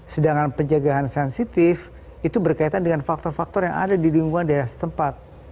sedangkan penjagaan sensitif itu berkaitan dengan faktor faktor yang ada di lingkungan daerah setempat